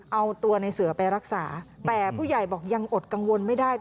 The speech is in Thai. เอาตัวในเสือไปรักษาแต่ผู้ใหญ่บอกยังอดกังวลไม่ได้